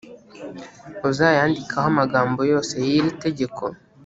uzayandikeho amagambo yose y’iri tegeko,